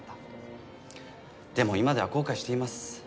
でも今では後悔しています。